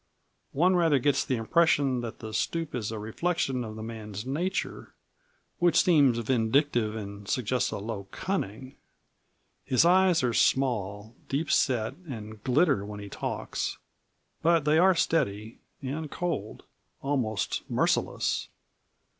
One rather gets the impression that the stoop is a reflection of the man's nature, which seems vindictive and suggests a low cunning. His eyes are small, deep set, and glitter when he talks. But they are steady, and cold almost merciless.